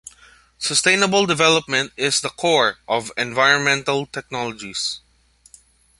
Sustainable development is the core of "environmental technologies".